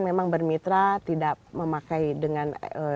memang bermitra tidak memakai dengan